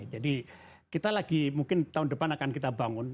jadi kita lagi mungkin tahun depan akan kita bangun